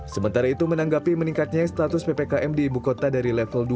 sementara itu menanggapi meningkatnya status ppkm di ibu kota dari level dua